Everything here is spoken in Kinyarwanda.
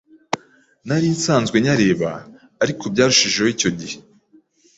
Narinsanzwe nyareba ariko byarushijeho icyo gihe.